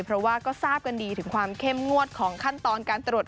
เพราะว่าก็ทราบกันดีถึงความเข้มงวดของขั้นตอนการตรวจ